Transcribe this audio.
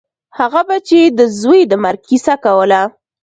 هغه به چې د زوى د مرګ کيسه کوله.